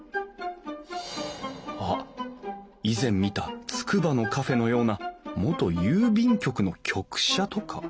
あっ以前見たつくばのカフェのような元郵便局の局舎とか？